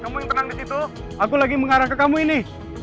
iya kamu yang tenang ya kamu yang tenang disitu aku lagi mengarah ke kamu ini